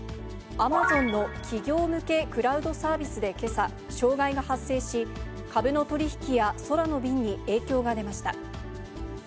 アマゾンの企業向けクラウドサービスでけさ、障害が発生し、株の取り引きや空の便に影響が出ました。